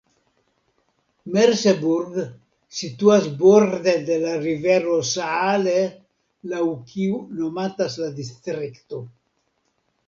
Merseburg situas borde de la rivero Saale, laŭ kiu nomatas la distrikto.